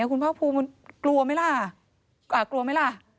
คุณภาคภูมิกลัวไหมล่ะ